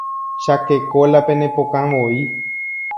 chakeko la pene pokãvoi